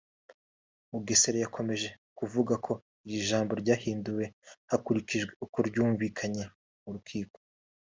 Mugesera yakomeje kuvuga ko iri jambo ryahinduwe hakurikijwe uko ryumvikanye mu rukiko